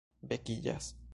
vekiĝas